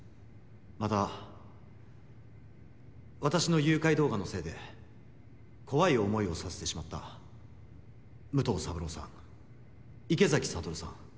また私の誘拐動画のせいで怖い思いをさせてしまった武藤三朗さん池崎慧さん